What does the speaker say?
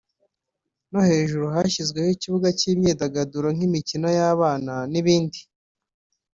no hejuru hashyizweho ikibuga cy’imyidagaduro nk’ imikino y’abana n’ibindi